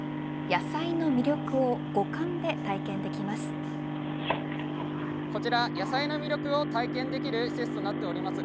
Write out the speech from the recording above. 野菜の魅力を五感で体験できます。